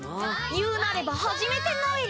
言うなればはじめてノエル。